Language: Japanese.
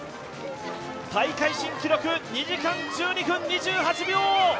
大会新記録、２時間１２分２８秒。